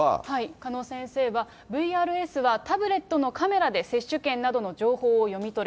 鹿野先生は、ＶＲＳはタブレットのカメラで接種券などの情報を読み取る。